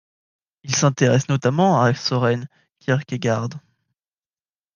Il s'intéresse notamment à Søren Kierkegaard.